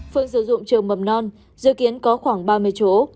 phương sử dụng trường mầm non dự kiến có khoảng ba mươi chỗ